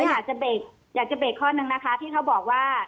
อยากจะเบรกข้อนึงนะคะที่เขาบอกว่า